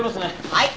はい。